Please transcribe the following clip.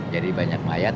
jadi banyak mayat